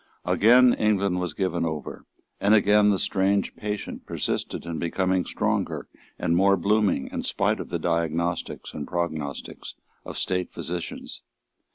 Again England was given over; and again the strange patient persisted in becoming stronger and more blooming in spite of all the diagnostics and prognostics of State physicians.